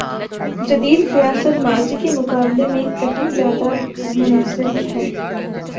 جدید ریاست ماضی کے مقابلے میں کہیں زیادہ منظم ہے۔